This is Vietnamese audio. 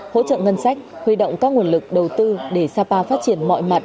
hỗ trợ ngân sách huy động các nguồn lực đầu tư để sapa phát triển mọi mặt